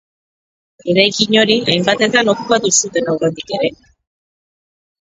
Eraikin hori hainbatetan okupatu zuten aurretik ere.